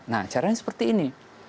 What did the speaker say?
nah caranya seperti ini